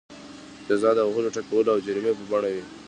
جزا د وهلو ټکولو او جریمې په بڼه وي.